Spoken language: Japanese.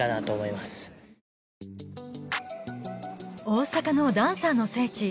大阪のダンサーの聖地